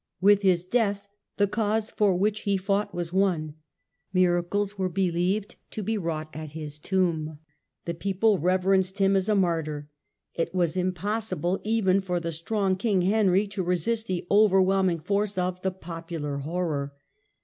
With his death the cause for which he fought was won. Miracles were believed to be wrought at his tomb. The people reverenced him as a martyr. It was impossible even 'for the strong king Henry to resist the overwhelming force of the popubv horror.